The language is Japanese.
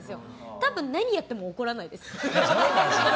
多分何言っても怒らないです。